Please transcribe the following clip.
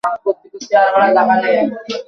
এটি সম্ভবত তার "প্রিয়" পোকেমন হিসেবেও উল্লেখ করেন।